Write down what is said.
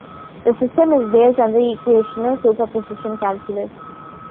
The system is based on the equational superposition calculus.